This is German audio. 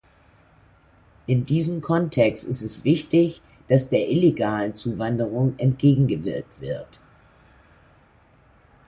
In diesem Kontext ist es wichtig, dass der illegalen Zuwanderung entgegengewirkt wird.